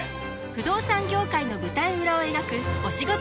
不動産業界の裏側を描くお仕事